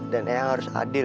dan eang harus adil